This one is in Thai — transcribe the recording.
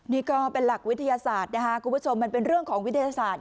นี่ก็เป็นหลักวิทยาศาสตร์นะคะคุณผู้ชมมันเป็นเรื่องของวิทยาศาสตร์